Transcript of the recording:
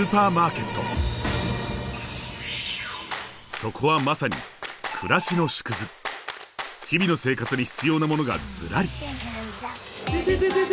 そこはまさに日々の生活に必要なものがずらり！